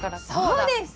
そうです！